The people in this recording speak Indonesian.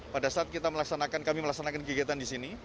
pada saat kita melaksanakan kami melaksanakan kegiatan di sini